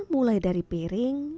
mulai dari piring